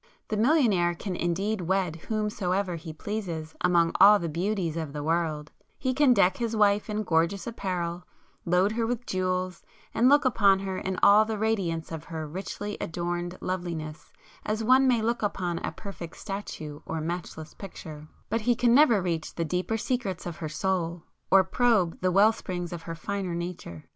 The millionaire can indeed wed whomsoever he pleases among all the beauties of the world,—he can deck his wife in gorgeous apparel, load her with jewels and look upon her in all the radiance of her richly adorned loveliness as one may look upon a perfect statue or matchless picture,—but he can never reach the deeper secrets of her soul or probe the well springs of her finer nature.